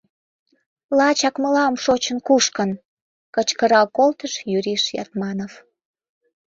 — Лачак мылам шочын-кушкын! — кычкырал колтыш Юриш Ятманов.